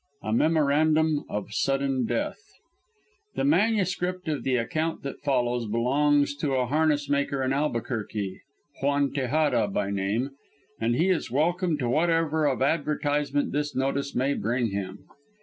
A MEMORANDUM OF SUDDEN DEATH The manuscript of the account that follows belongs to a harness maker in Albuquerque, Juan Tejada by name, and he is welcome to whatever of advertisement this notice may bring him.